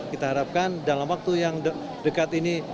kita harapkan dalam waktu yang dekat ini